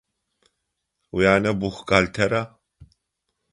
Уянэ бухгалтера?